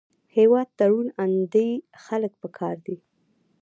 هېواد ته روڼ اندي خلک پکار دي